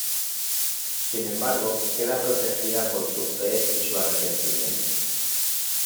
Sin embargo, queda protegida por su fe y su arrepentimiento.